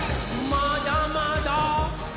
まだまだ！